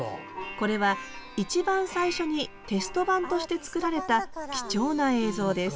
これは一番最初にテスト版として作られた貴重な映像です